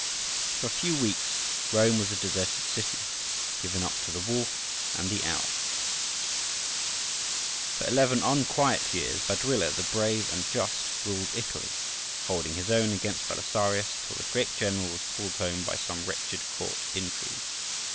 For a few weeks Rome was a deserted city, given up to the wolf and the owl [A.D. 550]. For eleven unquiet years, Baduila, the brave and just, ruled Italy, holding his own against Belisarius, till the great general was called home by some wretched court intrigue.